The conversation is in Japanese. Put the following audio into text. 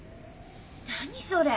何それ！